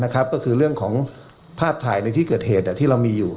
ก็คือเรื่องของภาพถ่ายในที่เกิดเหตุที่เรามีอยู่